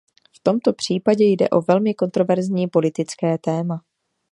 V tomto případě jde o velmi kontroverzní politické téma.